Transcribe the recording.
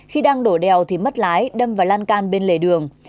khi đang đổ đèo thì mất lái đâm và lan can bên lề đường